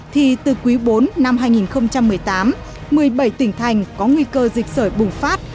thì từ quý bốn năm hai nghìn một mươi tám một mươi bảy tỉnh thành có nguy cơ dịch sởi bùng phát